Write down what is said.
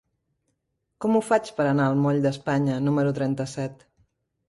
Com ho faig per anar al moll d'Espanya número trenta-set?